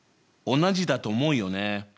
同じだと思うよね。